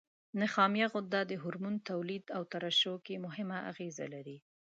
نخامیه غده د هورمون تولید او ترشح کې مهمه اغیزه لري.